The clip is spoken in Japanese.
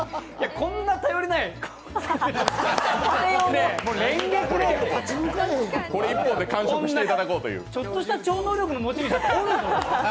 こんな頼りないちょっとした超能力の持ち主なら折るよ。